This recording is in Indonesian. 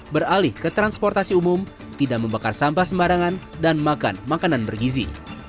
beralih ke transportasi umum tidak membakar sampah sembarangan dan makan makanan bergizi